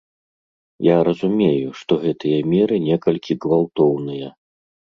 Я разумею, што гэтыя меры некалькі гвалтоўныя.